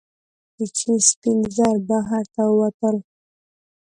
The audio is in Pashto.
د چین سپین زر بهر ته ووتل.